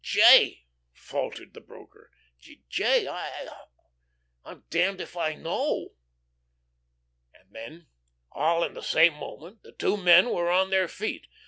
"J.," faltered the broker, "J., I I'm damned if I know." And then, all in the same moment, the two men were on their feet.